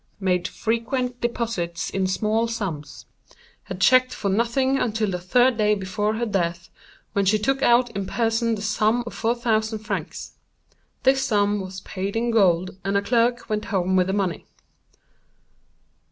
Made frequent deposits in small sums. Had checked for nothing until the third day before her death, when she took out in person the sum of 4000 francs. This sum was paid in gold, and a clerk went home with the money.